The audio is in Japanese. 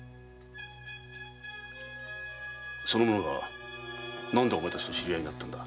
その者が何でお前たちと知り合いになったんだ？